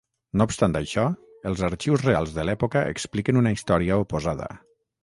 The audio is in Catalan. No obstant això, els arxius reals de l'època expliquen una història oposada.